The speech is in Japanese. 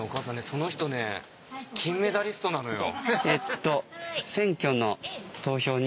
その人ね金メダリストなのよ。